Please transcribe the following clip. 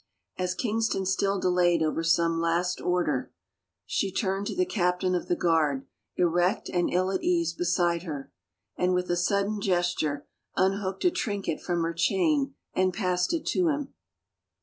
As Kingston still delayed over some last order, she turned to the captain of the guard, erect and ill at ease beside her, and with a sudden gesture unhooked a trinket from her chain and passed it to him.